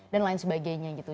dan lain sebagainya gitu